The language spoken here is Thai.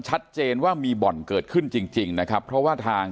ชัดเจนว่ามีบ่อนเกิดขึ้นจริงจริงนะครับเพราะว่าทาง